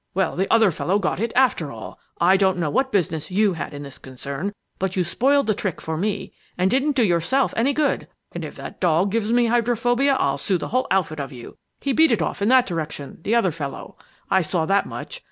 "Well, the other fellow got it after all! I don't know what business you had in this concern, but you spoiled the trick for me and didn't do yourself any good! And if that dog gives me hydrophobia, I'll sue the whole outfit of you! He beat it off in that direction the other fellow. I saw that much.